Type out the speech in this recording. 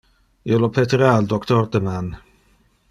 Io lo petera al doctor deman.